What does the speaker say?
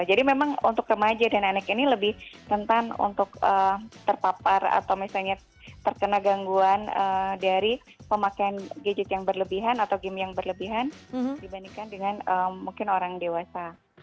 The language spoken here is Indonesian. jadi memang untuk remaja dan anak anak ini lebih rentan untuk terpapar atau misalnya terkena gangguan dari pemakaian gadget yang berlebihan atau game yang berlebihan dibandingkan dengan mungkin orang dewasa